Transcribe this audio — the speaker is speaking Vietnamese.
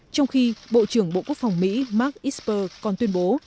trong khi bộ trưởng bộ quốc phòng mỹ mark esper còn tuyên bố